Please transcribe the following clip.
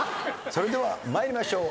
それでは参りましょう。